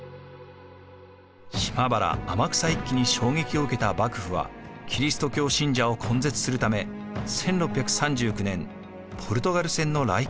島原・天草一揆に衝撃を受けた幕府はキリスト教信者を根絶するため１６３９年ポルトガル船の来航を禁止しました。